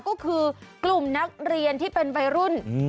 ก็คือกลุ่มนักเรียนที่เป็นวัยรุ่น